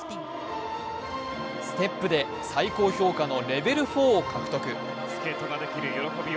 ステップで最高評価のレベル４を獲得。